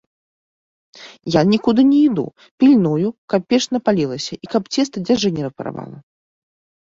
Я нікуды не іду, пільную, каб печ напалілася і каб цеста дзяжы не парвала.